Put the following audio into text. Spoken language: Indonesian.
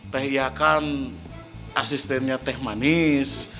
teh ia kan asistennya teh manis